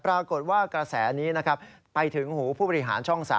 ปรากฏว่ากระแสนี้นะครับไปถึงหูผู้บริหารช่อง๓